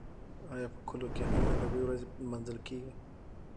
ایا په کلو کې هم ادبي ورځې لمانځل کیږي؟